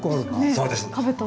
そうです。